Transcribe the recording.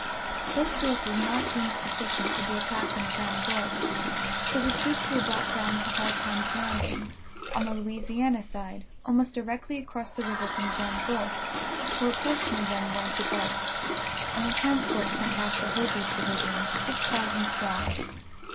This force was not deemed sufficient for the attack on Grand Gulf, so the troops were brought down to Hard Times landing, on the Louisiana side, almost directly across the river from Grand Gulf, where a portion of them were debarked, and the transports sent back for Hovey's division, six thousand strong.